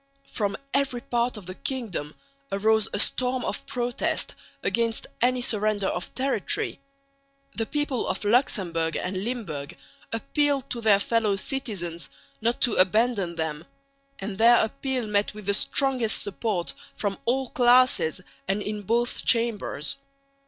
From every part of the kingdom arose a storm of protest against any surrender of territory. The people of Luxemburg and Limburg appealed to their fellow citizens not to abandon them; and their appeal met with the strongest support from all classes and in both Chambers.